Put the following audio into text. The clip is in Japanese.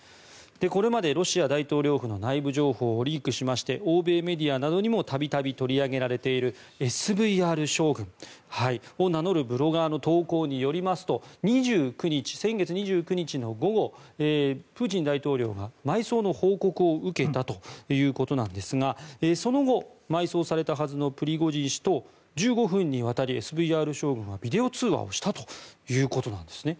これまで、ロシア大統領府の内部情報をリークしまして欧米メディアなどにも度々取り上げられているＳＶＲ将軍を名乗るブロガーの投稿によりますと先月２９日の午後プーチン大統領が埋葬の報告を受けたということなんですがその後、埋葬されたはずのプリゴジン氏と１５分にわたりＳＶＲ将軍がビデオ通話をしたということなんですね。